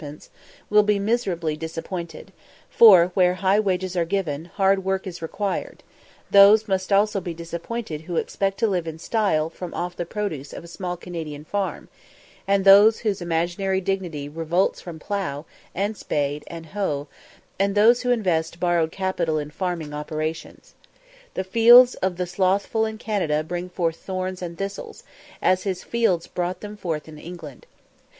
_, will be miserably disappointed, for, where high wages are given, hard work is required; those must also be disappointed who expect to live in style from off the produce of a small Canadian farm, and those whose imaginary dignity revolts from plough, and spade, and hoe, and those who invest borrowed capital in farming operations. The fields of the slothful in Canada bring forth thorns and thistles, as his fields brought them forth in England.